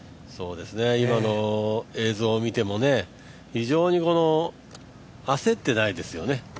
今の映像を見ても非常に焦ってないですよね。